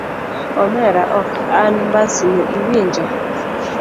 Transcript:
Omera ok anmbasni iwinjo